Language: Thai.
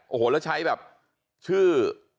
โอ้โหแล้วใช้แบบชื่อ